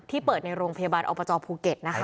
ที่เปิดในโรงพยาบาลอบประจอบภูเก็ตนะคะ